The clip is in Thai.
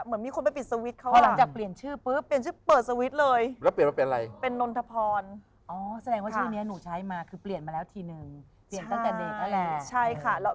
เหมือนสมองไม่ทำงานเลย